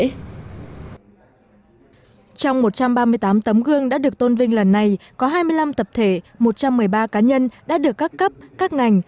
trong một trăm ba mươi tám tấm gương đã được tôn vinh lần này có hai mươi năm tập thể một trăm một mươi ba cá nhân đã được các cấp các ngành